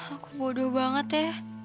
aku bodoh banget ya